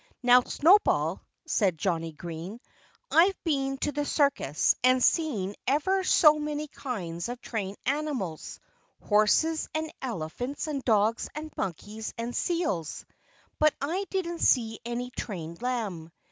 "Now, Snowball," said Johnnie Green, "I've been to the circus and seen ever so many kinds of trained animals horses and elephants and dogs and monkeys and seals. But I didn't see any trained lamb.